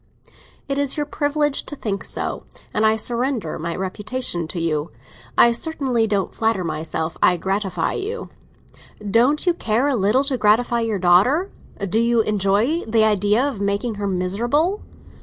"It is your privilege to think so, and I surrender my reputation to you! I certainly don't flatter myself I gratify you." "Don't you care a little to gratify your daughter? Do you enjoy the idea of making her miserable?"